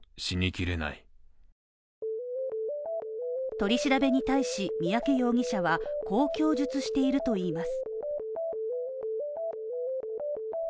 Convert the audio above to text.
取り調べに対し三宅容疑者はこう供述しているといいます。